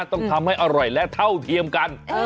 ต้องทำให้อร่อยและเท่าเทียมกัน